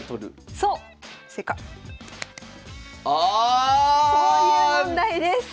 そういう問題です。